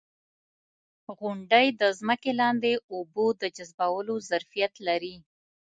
• غونډۍ د ځمکې لاندې اوبو د جذبولو ظرفیت لري.